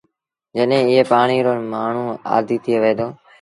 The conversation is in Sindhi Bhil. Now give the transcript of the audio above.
جڏهيݩ ايئي پآڻيٚ رو مآڻهوٚٚݩ آديٚ ٿئي وهي دو۔